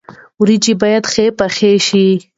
ورجې باید ښې پخې شي.